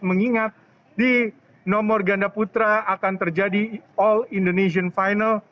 mengingat di nomor ganda putra akan terjadi all indonesian final